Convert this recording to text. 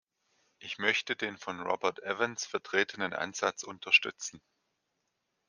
Ich möchte den von Robert Evans vertretenen Ansatz unterstützen.